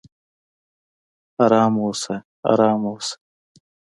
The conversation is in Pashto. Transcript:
"ارام اوسه! ارام اوسه!"